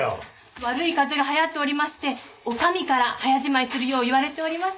悪い風邪がはやっておりましてお上から早じまいするよう言われております